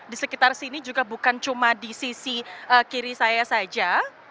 di sekitar sini juga bukan cuma di sisi kiri saya saja